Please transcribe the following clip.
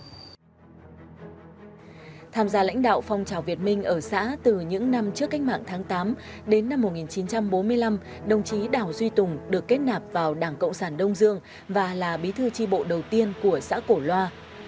tham gia lãnh đạo phong trào việt minh ở xã từ những năm trước cách mạng tháng tám đến năm một nghìn chín trăm bốn mươi năm đồng chí đảo duy tùng được kết nạp vào đảng cộng sản đông dương và là bí thư tri bộ đầu tiên của xã cổ loa